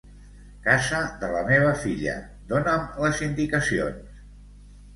Casa de la meva filla, dona'm les indicacions.